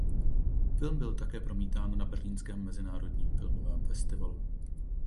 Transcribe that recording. Film byl také promítán na Berlínském mezinárodním filmovém festivalu.